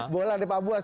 boleh dari pak buas